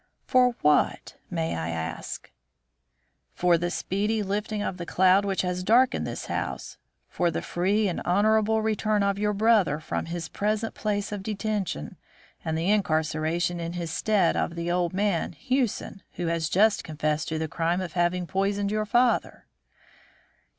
"For what, may I ask?" "For the speedy lifting of the cloud which has darkened this house; for the free and honourable return of your brother from his present place of detention, and the incarceration in his stead of the old man, Hewson, who has just confessed to the crime of having poisoned your father."